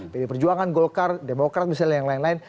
pd perjuangan golkar demokrat misalnya yang lain lain